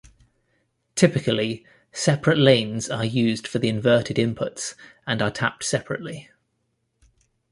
Typically, separate lanes are used for the inverted inputs and are tapped separately.